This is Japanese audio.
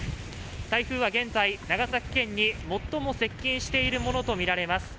台風は現在、長崎県に最も接近しているものとみられます。